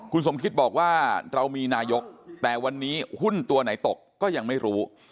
คุณสมคิตบอกว่าเรามีนายกแต่วันนี้หุ้นตัวไหนตกก็ยังไม่รู้